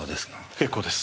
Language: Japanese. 結構です。